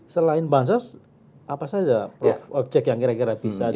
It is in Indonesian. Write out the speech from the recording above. selain bansos apa saja objek yang kira kira bisa jadi objek angket